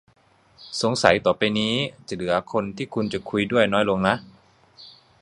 สงสัยต่อไปนี้ จะเหลือคนที่คุณจะคุยด้วยน้อยลงนะ